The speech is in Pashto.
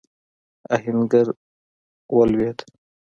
آهنګر ولوېد.